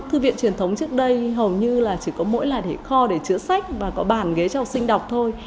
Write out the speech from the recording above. thư viện truyền thống trước đây hầu như là chỉ có mỗi làn để kho để chữa sách và có bàn ghế cho học sinh đọc thôi